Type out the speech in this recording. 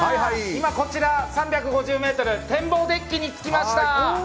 こちら３５０ｍ天望デッキに着きました。